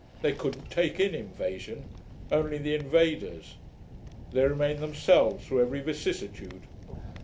They couldn't take in invasion, only the invaders. They remain themselves, through every vicissitude.